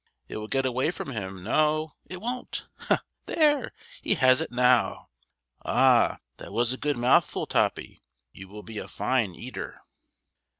It will get away from him—no, it won't! There! he has it now! Ah! that was a good mouthful, Toppy. You will be a fine eater!"